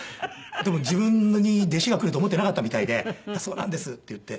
でも自分に弟子が来ると思っていなかったみたいで「そうなんです」って言って。